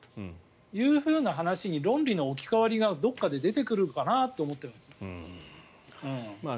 そういう話に論理の置き換わりがどこかで出てくるかなと思ってるんです。